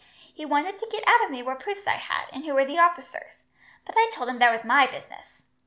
He wanted to get out of me what proofs I had, and who were the officers; but I told him that was my business.